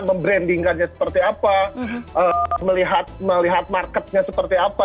membrandingkannya seperti apa melihat marketnya seperti apa